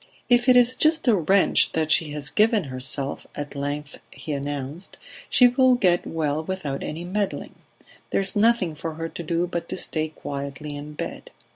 "If it is just a wrench that she has given herself," at length he announced, "she will get well without any meddling; there is nothing for her to do but to stay quietly in bed.